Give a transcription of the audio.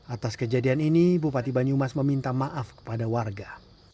atas kejadian ini bupati banyumas meminta maaf kepada warga